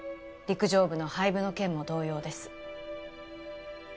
陸上部の廃部の件も同様です